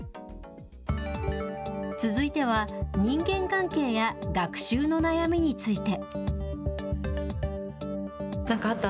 続いては、人間関係や学習の悩みについて。